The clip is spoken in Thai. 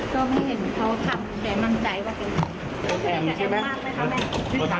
ก็ไม่เห็นเค้าทำแต่มั่งใจว่าเป็น